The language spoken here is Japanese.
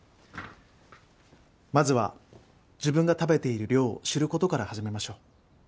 まずは自分が食べている量を知る事から始めましょう。